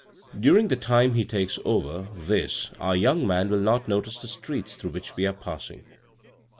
" During the time he takes over this our young man will not notice the streets through which we are passing."